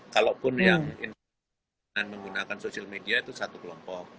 kalaupun yang menggunakan sosial media itu satu kelompok